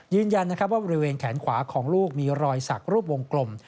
ยืนยันว่าบริเวณแขนขวาของลูกมีรอยสักรูปวงกลม